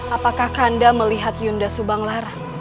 apakah kanda melihat yunda subanglar